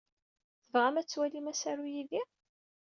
Tebɣam ad twalim asaru yid-i?